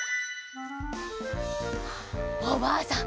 おばあさん